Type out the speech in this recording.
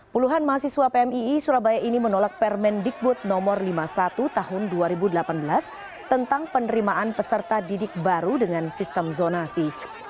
puluhan mahasiswa pmii surabaya ini menolak permendikbud no lima puluh satu tahun dua ribu delapan belas tentang penerimaan peserta didik baru dengan sistem zonasi